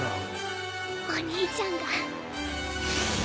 お兄ちゃんが。